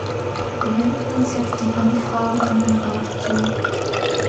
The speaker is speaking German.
Wir wenden uns jetzt den Anfragen an den Rat zu.